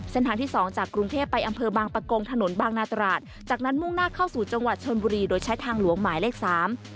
ที่สองจากกรุงเทพไปอำเภอบางปะโกงถนนบางนาตราดจากนั้นมุ่งหน้าเข้าสู่จังหวัดชนบุรีโดยใช้ทางหลวงหมายเลขสาม